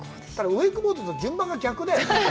ウェイクボードと順番が逆だよね？